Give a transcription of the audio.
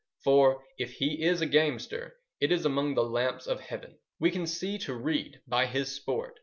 For, if he is a gamester, it is among the lamps of Heaven. We can see to read by his sport.